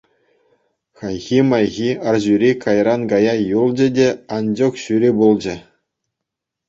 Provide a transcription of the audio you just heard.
Хайхи-майхи арҫури кайран кая юлчӗ те, анчӑк ҫури пулчӗ.